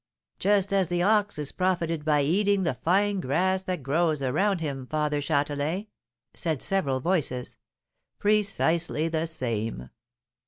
'" "Just as the ox is profited by eating the fine grass that grows around him, Father Châtelain?" said several voices. "Precisely the same."